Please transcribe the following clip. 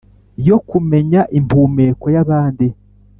yo kumenya impumeko y'abandi